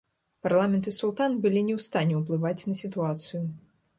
Парламент і султан былі не ў стане ўплываць на сітуацыю.